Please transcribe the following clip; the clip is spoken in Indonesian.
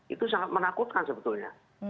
itu sangat menakutkan sebetulnya